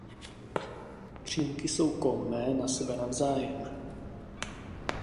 Přímky jsou kolmé na sebe navzájem.